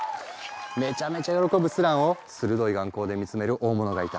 めちゃめちゃ喜ぶスランを鋭い眼光で見つめる大物がいた。